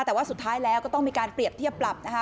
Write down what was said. แต่ว่าสุดท้ายแล้วก็ต้องมีการเปรียบเทียบปรับนะคะ